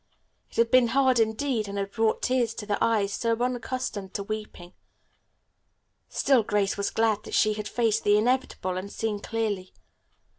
It had been hard indeed, and had brought tears to the eyes so unaccustomed to weeping. Still Grace was glad that she had faced the inevitable and seen clearly.